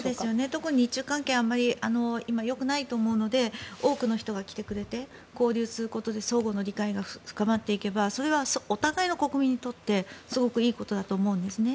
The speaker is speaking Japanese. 特に日中関係あまりよくないと思うので多くの人が来てくれて交流することで相互の理解が深まっていけばそれはお互いの国民にとってすごくいいことだと思うんですね。